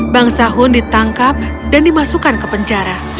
bang sahun ditangkap dan dimasukkan ke penjara